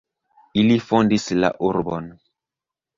Ili fondis la urbon.